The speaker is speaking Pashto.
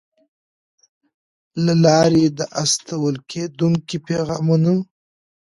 له لارې د استول کېدونکو پیغامونو